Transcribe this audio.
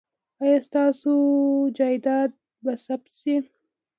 ایا ستاسو جایداد به ثبت شي؟